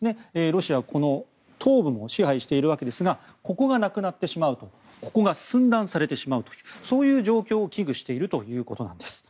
ロシアはこの東部も支配しているわけですがここがなくなってしまうとここが寸断されてしまうというそういう状況を危惧しているということです。